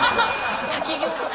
滝行とか。